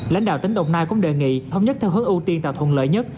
lãnh đạo tỉnh đồng nai cũng đề nghị thống nhất theo hướng ưu tiên tạo thuận lợi nhất